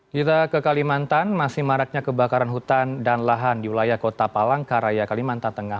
kita ke kalimantan masih maraknya kebakaran hutan dan lahan di wilayah kota palangkaraya kalimantan tengah